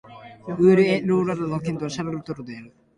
ウール＝エ＝ロワール県の県都はシャルトルである